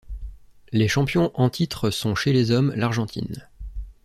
Les champions en titre sont chez les hommes l'Argentine.